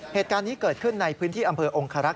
เหตุการณ์นี้เกิดขึ้นในพื้นที่อำเภอองคารักษ